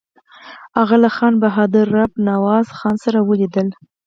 هغه له خان بهادر رب نواز خان سره ولیدل.